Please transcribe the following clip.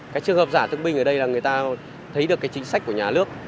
cái trường hợp giả thương binh ở đây là người ta thấy được cái chính sách của nhà nước